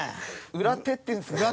裏手っていうんですかね？